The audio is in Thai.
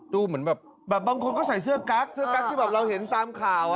ดูเหมือนแบบบางคนก็ใส่เสื้อกั๊กเสื้อกั๊กที่แบบเราเห็นตามข่าว